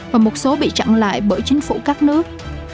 và một số bị chặn lại bởi chính phủ các nước